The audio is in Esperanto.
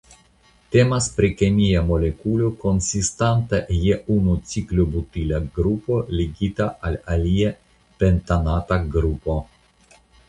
Temas pri kemia molekulo konsistanta je unu ciklobutila grupo ligita al alia pentanata grupo.